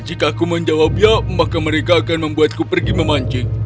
jika aku menjawabnya maka mereka akan membuatku pergi memancing